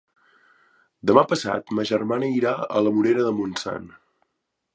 Demà passat ma germana irà a la Morera de Montsant.